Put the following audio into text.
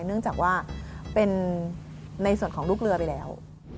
เนื่องจากว่าเป็นในส่วนของลูกเรือไปแล้ว